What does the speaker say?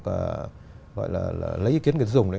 gọi là lấy ý kiến người tiêu dùng đấy